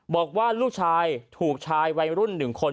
บอกว่าลูกชายถูกชายวัยรุ่น๑คน